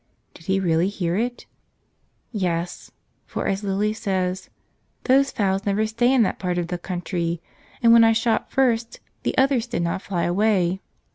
Did He really hear it? Yes; for, as Lily says, "Those fowls never stay in that part of the country. And when I shot first the others did not fly away.